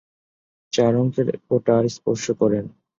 চার অঙ্কের কোটা স্পর্শ করেন।